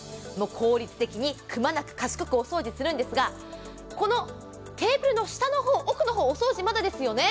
効率的に、くまなく賢くお掃除するんですがこのテーブルの下の方、奥の方、お掃除まだですよね。